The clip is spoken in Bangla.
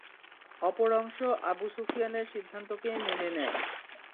অপর অংশ আবু সুফিয়ানের সিদ্ধান্তকেই মেনে নেয়।